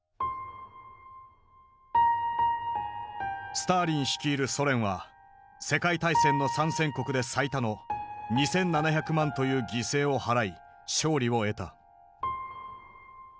スターリン率いるソ連は世界大戦の参戦国で最多の２，７００万という犠牲を払い勝利を得た。